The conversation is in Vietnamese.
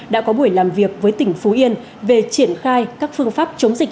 đã có buổi làm việc với tỉnh phú yên về triển khai các phương pháp chống dịch